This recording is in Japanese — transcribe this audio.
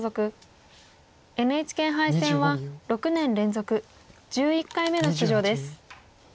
ＮＨＫ杯戦は６年連続１１回目の出場です。